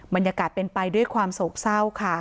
บรรยากาศเป็นไปด้วยความโศกเศร้าค่ะ